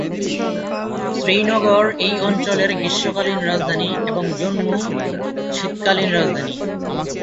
শ্রীনগর এই অঞ্চলের গ্রীষ্মকালীন রাজধানী এবং জম্মু শীতকালীন রাজধানী।